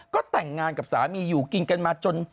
ก็แต่งงานกับสามีอยู่กินกันมาจน